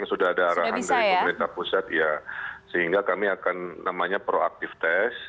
sudah ada arahan dari pemerintah pusat ya sehingga kami akan namanya proaktif tes